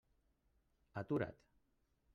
Atura't!